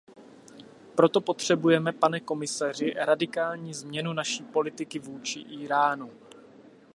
Proto potřebujeme, pane komisaři, radikální změnu naší politiky vůči Íránu.